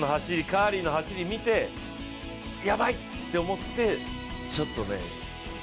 カーリーの走りを見てやばいって思ってちょっとね。